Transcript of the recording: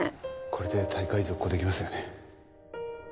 これで大会続行出来ますよね。